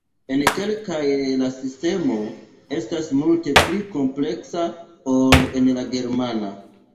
En kelkaj la sistemo estas multe pli kompleksa ol en la germana.